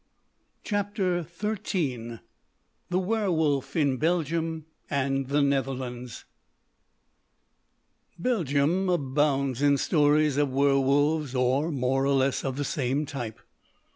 CHAPTER XIII THE WERWOLF IN BELGIUM AND THE NETHERLANDS Belgium abounds in stories of werwolves, all more or less of the same type.